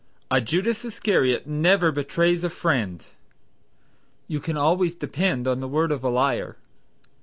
"A Judas Iscariot never betrays a friend." "You can always depend upon the word of a liar."